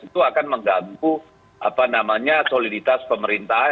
itu akan menggampu apa namanya soliditas pemerintah